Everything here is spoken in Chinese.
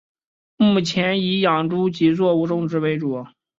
目前以养猪及作物种植为主。